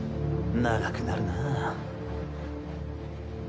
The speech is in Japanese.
長くなるなあ。